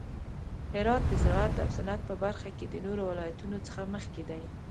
هرات د زراعت او صنعت په برخه کې د نورو ولایتونو څخه مخکې دی.